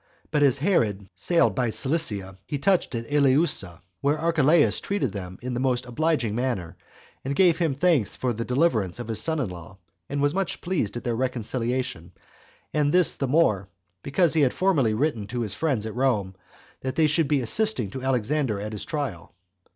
But as Herod sailed by Cilicia, he touched at Eleusa, 38 where Archelaus treated them in the most obliging manner, and gave him thanks for the deliverance of his son in law, and was much pleased at their reconciliation; and this the more, because he had formerly written to his friends at Rome that they should be assisting to Alexander at his trial.